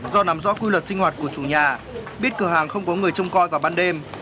do nắm rõ quy luật sinh hoạt của chủ nhà biết cửa hàng không có người trông coi vào ban đêm